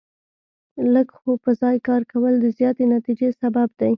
لږ خو په ځای کار کول د زیاتې نتیجې سبب دی.